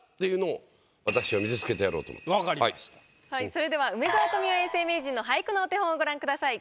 それでは梅沢富美男永世名人の俳句のお手本をご覧ください。